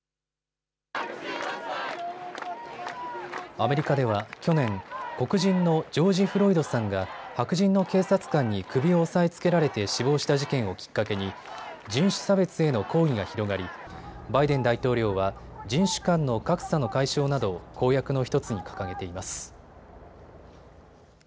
アメリカでは去年、黒人のジョージ・フロイドさんが白人の警察官に首を押さえつけられて死亡した事件をきっかけに人種差別への抗議が広がりバイデン大統領は人種間の格差の解消などを公約の１つに掲げています。